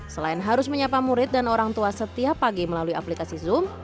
selain harus menyapa murid dan orang tua setiap pagi melalui aplikasi zoom